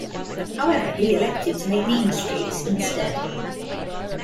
However he elected to make "Mean Streets" instead.